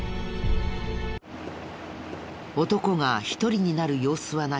男が一人になる様子はない。